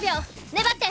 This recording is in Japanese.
粘って！